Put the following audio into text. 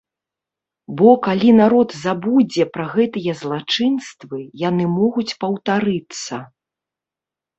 Бо калі народ забудзе пра гэтыя злачынствы, яны могуць паўтарыцца.